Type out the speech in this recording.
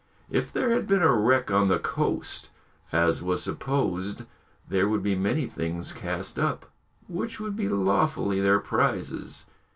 If there had been a wreck on the coast, as was supposed, there would be many things cast up, which would be lawfully their prizes.